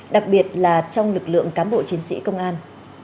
đặc biệt là trong lực lượng cám bộ chiến sĩ công an